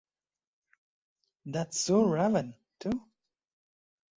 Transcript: That's So Raven Too!